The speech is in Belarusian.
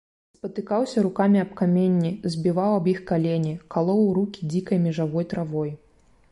Спатыкаўся рукамі аб каменні, збіваў аб іх калені, калоў рукі дзікай межавой травой.